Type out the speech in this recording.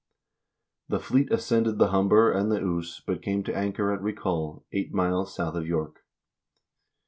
The fleet ascended the Humber and the Ouse, but came to anchor at Riccal, eight miles south of York.